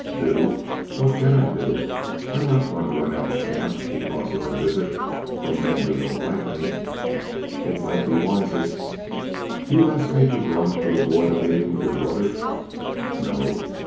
"Do? What can I do? I'm not going to run out of camp because of a visit from men who don't like me." "It might be wisest." "Do you ask me to run to avoid a meeting with your brother?" "No."